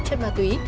chất ma túy